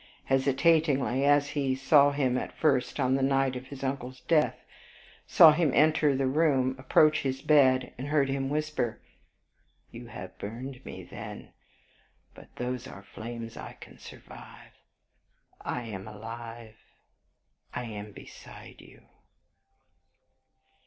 hesitatingly as he saw him at first on the night of his uncle's death, saw him enter the room, approach his bed, and heard him whisper, "You have burned me, then; but those are flames I can survive. I am alive, I am beside you."